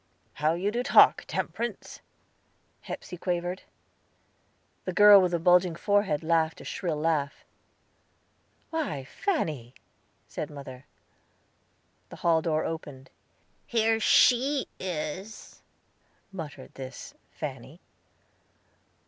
"How you do talk, Temperance," Hepsey quavered. The girl with the bulging forehead laughed a shrill laugh. "Why, Fanny!" said mother. The hall door opened. "Here she is," muttered this Fanny.